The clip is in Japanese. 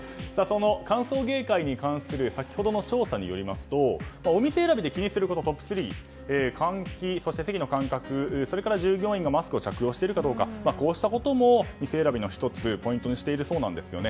歓送迎会に関する先ほどの調査によりますとお店選びで気にすることトップ３換気、席の間隔従業員がマスクを着用しているかどうかなどが店選びの１つのポイントにしているそうなんですね。